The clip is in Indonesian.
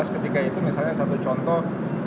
ketika itu misalnya satu contoh